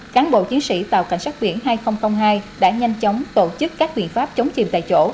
cán bộ chiến sĩ tàu cảnh sát biển hai nghìn hai đã nhanh chóng tổ chức các biện pháp chống chìm tại chỗ